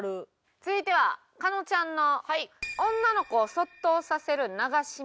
続いては加納ちゃんの「女の子を卒倒させる流し目」。